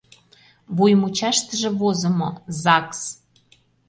Вуй мучаштыже возымо: «Загс».